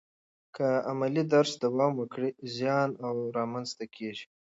که عملي درس دوام ولري، زیان را منځ ته کیږي.